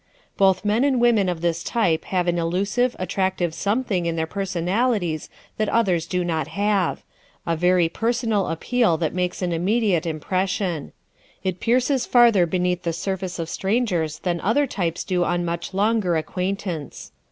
Both men and women of this type have an elusive, attractive something in their personalities that others do not have a very personal appeal that makes an immediate impression. It pierces farther beneath the surface of strangers than other types do on much longer acquaintance.